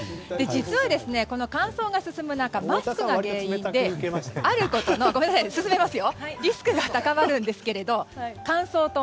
実は、乾燥が進む中マスクが原因であることのリスクが高まるんです。